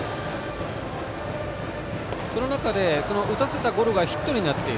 その中で、打たせたゴロがヒットになっている。